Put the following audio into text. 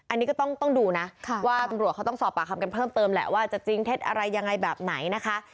อันนี้ก็ต้องดูนะว่าตำรวจเขาต้องสอบปากคำกันเพิ่มเติมแหละว่าจะจริงเท็จอะไรยังไงแบบไหนนะคะ